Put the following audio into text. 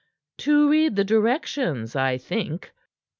"To read the directions, I think."